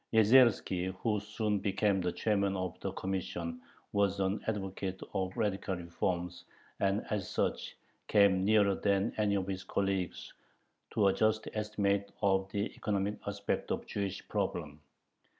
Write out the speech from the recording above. Yezierski, who soon became the chairman of the Commission, was an advocate of radical reforms, and as such came nearer than any of his colleagues to a just estimate of the economic aspect of the Jewish problem.